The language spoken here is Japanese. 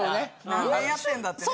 何年やってんだってね。